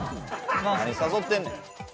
何誘ってんねん。